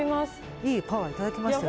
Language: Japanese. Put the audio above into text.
いいパワーをいただきましたよね。